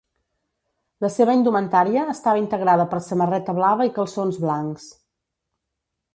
La seva indumentària estava integrada per samarreta blava i calçons blancs.